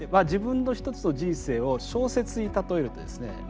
自分の一つの人生を小説に例えるとですね